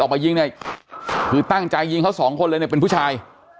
มายิงเนี่ยคือตั้งใจยิงเขาสองคนเลยเนี่ยเป็นผู้ชาย